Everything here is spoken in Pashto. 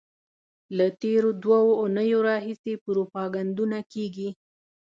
له تېرو دوو اونیو راهیسې پروپاګندونه کېږي.